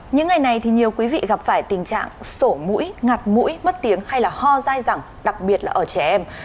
những ngày này thì nhiều quý vị gặp phải tình trạng sổ mũi ngạt mũi mất tiếng hay là ho dài dẳng đặc biệt là ở trẻ em